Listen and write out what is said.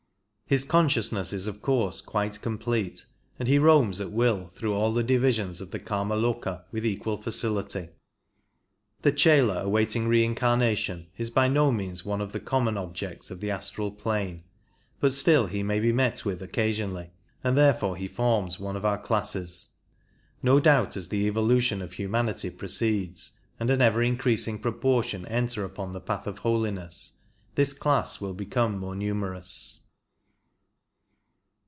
His consciousness is of course quite complete, and he roams at will throu2[h all the divisions of the Kamaloka with equal facility. The chela awaiting reincarnation is by no means one of the common objects of the astral plane, but still he may be met with occasionally, and therefore he forms one of our classes. No doubt as the evolution of human ity proceeds, and an ever increasing proportion enter upon the Path of Holiness, this class will become more numer ous.